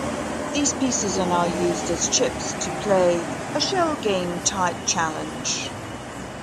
These pieces are now used as chips to play a shell game type challenge.